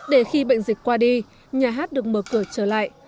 để khi bệnh dịch qua đi nhà hát được mở cửa trở lại